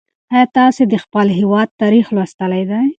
ایا تاسې د خپل هېواد تاریخ لوستلی دی؟